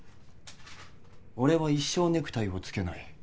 俺は一生ネクタイをつけない。